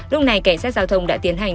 lúc này cảnh sát giao thông đã tiến hành